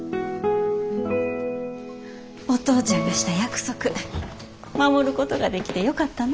お父ちゃんがした約束守ることができてよかったな。